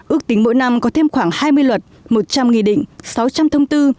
ước tính mỗi năm có thêm khoảng hai mươi luật một trăm linh nghị định sáu trăm linh thông tư